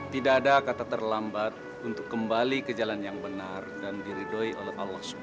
tidak ada kata terlambat untuk kembali ke jalan yang benar dan diridoi oleh allah swt